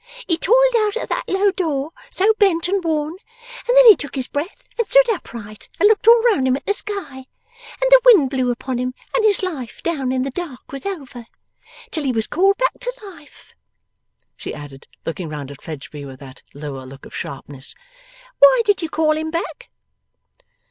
He toiled out at that low door so bent and worn, and then he took his breath and stood upright, and looked all round him at the sky, and the wind blew upon him, and his life down in the dark was over! Till he was called back to life,' she added, looking round at Fledgeby with that lower look of sharpness. 'Why did you call him back?